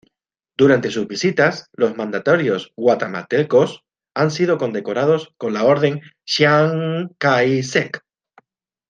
Durante sus visitas, los mandatarios guatemaltecos han sido condecorados con la orden Chiang Kai-sek.